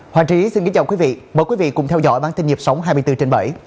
hoàng trí xin kính chào quý vị mời quý vị cùng theo dõi bản tin nhịp sống hai mươi bốn trên bảy